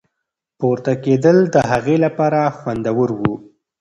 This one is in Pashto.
پورته کېدل د هغې لپاره خوندور وو.